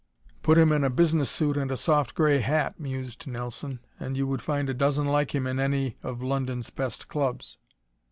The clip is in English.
"Put him is a business suit and a soft gray hat," mused Nelson, "and you would find a dozen like him in any of London's best clubs."